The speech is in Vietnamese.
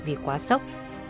vì quá sốc